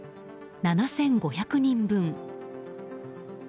７５００人分。